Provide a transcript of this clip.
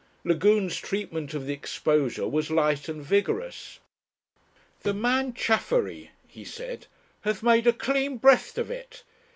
Lagune's treatment of the exposure was light and vigorous. "The man Chaffery," he said, "has made a clean breast of it.